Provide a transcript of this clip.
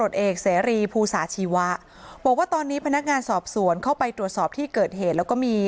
เอกเสรีภูสาชีวะบอกว่าตอนนี้พนักงานสอบสวนเข้าไปตรวจสอบที่เกิดเหตุแล้วก็มี